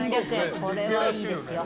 これはいいですよ。